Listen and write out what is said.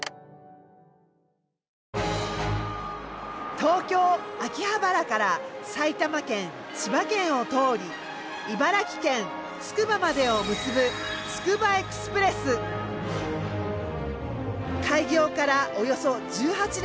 東京秋葉原から埼玉県千葉県を通り茨城県つくばまでを結ぶ開業からおよそ１８年。